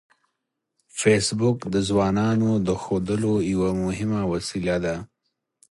فېسبوک د ځوانانو د ښودلو یوه مهمه وسیله ده